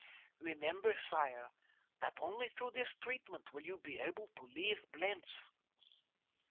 Remember, sire, that only through this treatment will you be able to leave Blentz."